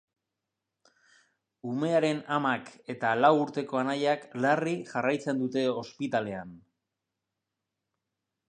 Umearen amak eta lau urteko anaiak larri jarraitzen dute ospitalean.